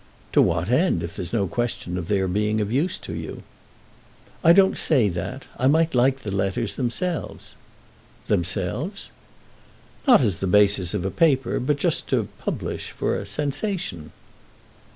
"To what end, if there's no question of their being of use to you?" "I don't say that—I might like the letters themselves." "Themselves?" "Not as the basis of a paper, but just to publish—for a sensation."